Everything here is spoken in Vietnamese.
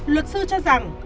luật sư cho rằng